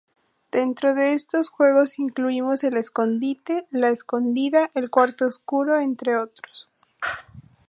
Dentro de estos juegos incluimos el escondite, la escondida, el cuarto oscuro, entre otros.